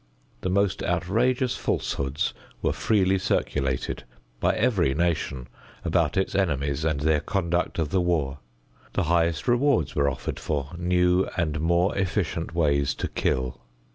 The most outrageous falsehoods were freely circulated by every nation about its enemies and their conduct of the war. The highest rewards were offered for new and more efficient ways to kill.